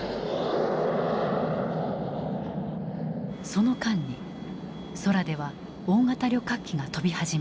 その間に空では大型旅客機が飛び始める。